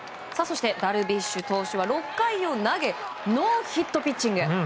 そしてダルビッシュ投手は６回を投げノーヒットピッチング。